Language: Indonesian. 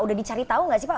udah dicari tahu gak sih pak